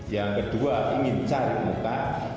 yang kedua ingin cari muka